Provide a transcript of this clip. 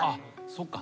そっか。